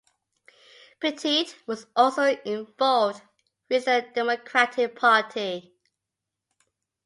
Petit was also involved with the Democratic Party.